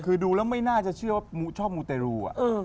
คือดูแล้วไม่น่าจะเชื่อว่าชอบมูเตรู